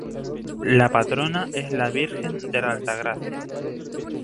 La patrona es la Virgen de la Altagracia.